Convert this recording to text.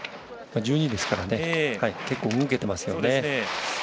１２ですから結構、動けていますね。